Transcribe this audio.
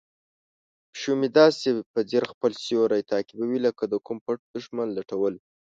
پیشو مې داسې په ځیر خپل سیوری تعقیبوي لکه د کوم پټ دښمن لټول.